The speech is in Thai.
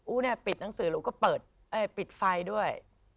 อู๋ปิดหนังสือแล้วอู๋ก็ปิดไฟด้วย